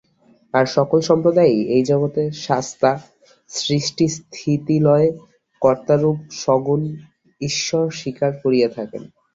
আর সকল সম্প্রদায়ই এই জগতের শাস্তা, সৃষ্টিস্থিতিলয়-কর্তারূপ সগুণ ঈশ্বর স্বীকার করিয়া থাকেন।